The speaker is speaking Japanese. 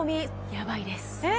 ヤバいですえ